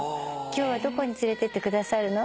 今日はどこに連れてってくださるの？